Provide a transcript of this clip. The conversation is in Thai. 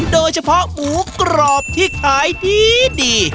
โดยเฉพาะหมูกรอบที่ขายดี